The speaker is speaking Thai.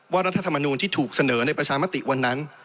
รัฐธรรมนูลที่ถูกเสนอในประชามติวันนั้น